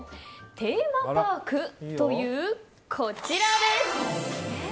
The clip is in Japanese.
テーマパーク？というこちらです。